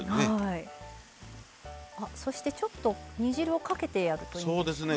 そしてちょっと煮汁をかけてやってますか？